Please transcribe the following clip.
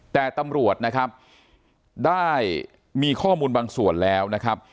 แต่ตำรวจนะครับได้มีข้อมูลบางส่วนแล้วนะครับ